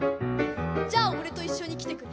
じゃぁ、俺と一緒に来てくれ。